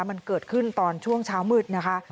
มันเกิดขึ้นตอนช่วงเช้ามืดนะคะ